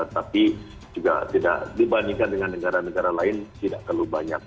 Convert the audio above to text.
tapi juga tidak dibandingkan dengan negara negara lain tidak terlalu banyak